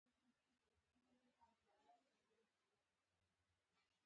د خوشحال خان خټک پاڅون بل سیاسي حرکت و چې اغېزناک و.